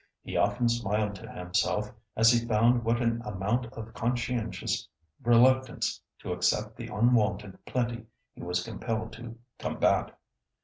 He often smiled to himself as he found what an amount of conscientious reluctance to accept the unwonted plenty he was compelled to combat.